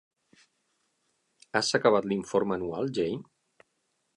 Has acabat l'informe anual, Jane?